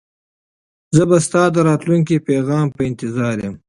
زه به ستا د راتلونکي پیغام په انتظار یم.